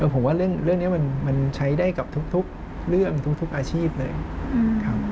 ผมว่าเรื่องนี้มันใช้ได้กับทุกเรื่องทุกอาชีพเลยครับ